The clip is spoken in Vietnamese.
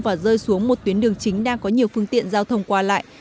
và rơi xuống một tuyến đường chính đang có nhiều phương tiện giao thông qua lại